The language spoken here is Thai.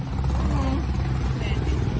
อืม